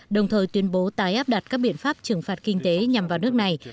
đồng thời tuyên bố tái áp đặt các biện pháp trừng phạt kinh tế nhằm vào nước này